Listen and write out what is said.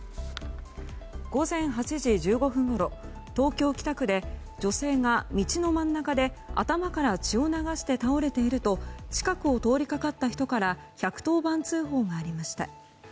午前８時１５分ごろ東京・北区で女性が、道の真ん中で頭から血を流して倒れていると近くを通りかかった人から１１０番通報がありました。